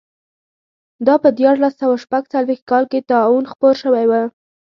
دا په دیارلس سوه شپږ څلوېښت کال کې طاعون خپور شوی و.